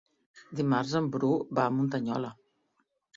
Dimarts en Bru va a Muntanyola.